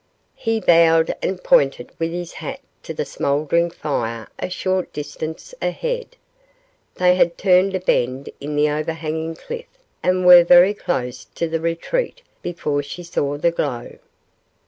He bowed and pointed with his hat to the smouldering fire a short distance ahead. They had turned a bend in the overhanging cliff, and were very close to the retreat before she saw the glow.